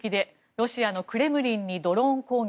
ロシアのクレムリンにドローン攻撃。